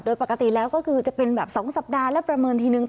โดยปกติแล้วก็คือจะเป็นแบบ๒สัปดาห์แล้วประเมินทีนึง